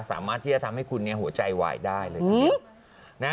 สามารถที่จะทำให้คุณเนี่ยหัวใจวายได้เลยทีเดียว